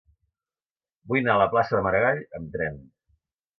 Vull anar a la plaça de Maragall amb tren.